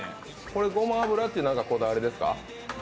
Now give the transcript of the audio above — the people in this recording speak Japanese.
これ、ごま油って何かこだわりですか？